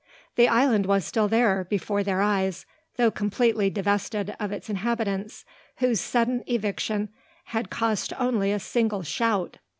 The island was still there, before their eyes; though completely divested of its inhabitants, whose sudden eviction had cost only a single shout!